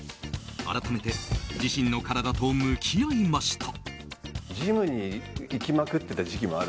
改めて自身の体と向き合いました。